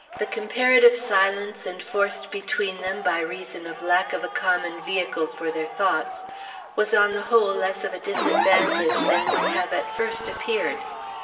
The comparative silence enforced between them by reason of lack of a common vehicle for their thoughts was on the whole less of a disadvantage than would have at first appeared.